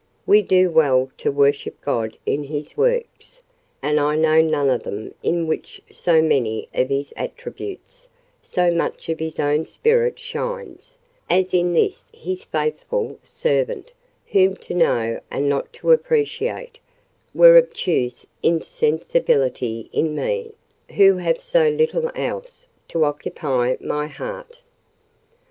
We do well to worship God in His works; and I know none of them in which so many of His attributes—so much of His own spirit shines, as in this His faithful servant; whom to know and not to appreciate, were obtuse insensibility in me, who have so little else to occupy my heart.